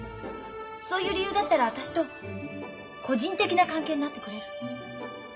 そういう理由だったら私と個人的な関係になってくれる？